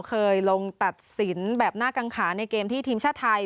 เคยลงตัดสินแบบน่ากังขาในเกมที่ทีมชาติไทย